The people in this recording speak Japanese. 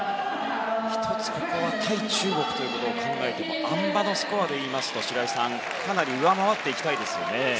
１つ、ここは対中国を考えてもあん馬のスコアでいいますと白井さんかなり上回っていきたいですね。